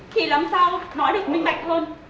thì làm sao nói định minh bạch hơn